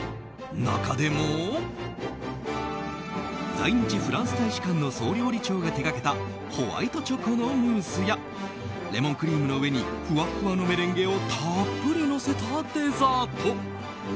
中でも、在日フランス大使館の総料理長が手掛けたホワイトチョコのムースやレモンクリームの上にふわっふわのメレンゲをたっぷりのせたデザート。